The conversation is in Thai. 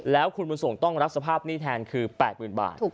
แล้วคุณบุญส่งต้องรับสภาพหนี้แทนคือ๘๐๐๐บาท